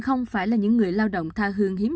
không phải là những người lao động tha hương hiếm